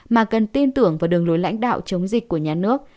mà cần tin tưởng vào đường lối lãnh đạo chống dịch của nhà nước